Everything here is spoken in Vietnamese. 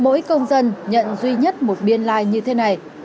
mỗi công dân nhận duy nhất một biên lai như thế này